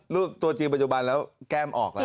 ตัวจริงปัจจุบันแล้วแก้มออกแล้ว